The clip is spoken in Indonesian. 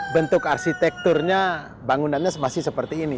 bentuk arsitekturnya bangunannya masih seperti ini